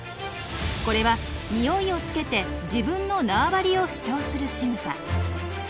これはニオイをつけて自分の縄張りを主張するしぐさ。